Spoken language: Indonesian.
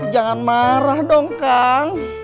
jangan marah dong kang